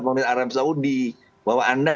pemerintah arab saudi bahwa anda